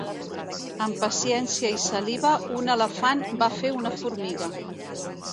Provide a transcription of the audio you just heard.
Amb paciència i saliva un elefant va fer una formiga.